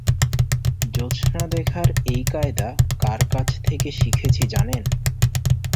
জোছনা দেখার এই কায়দা কার কাছ থেকে শিখেছি জানেন?